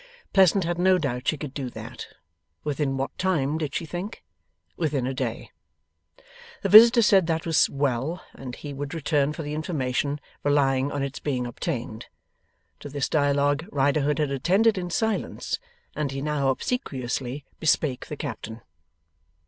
Pleasant had no doubt she could do that. Within what time, did she think? Within a day. The visitor said that was well, and he would return for the information, relying on its being obtained. To this dialogue Riderhood had attended in silence, and he now obsequiously bespake the Captain.